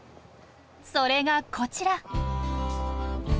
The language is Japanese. それがこちら！